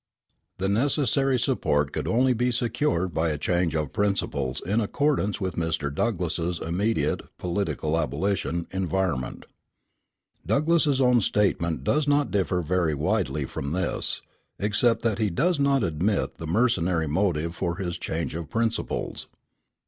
The necessary support could only be secured by a change of principles in accordance with Mr. Douglass's immediate (political abolition) environment." Douglass's own statement does not differ very widely from this, except that he does not admit the mercenary motive for his change of principles.